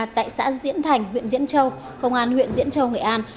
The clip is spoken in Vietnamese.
tại xã diễn thành huyện diễn châu công an huyện diễn châu nghệ an